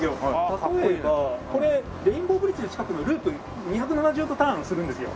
例えばレインボーブリッジの近くのループ２７０度ターンするんですよ。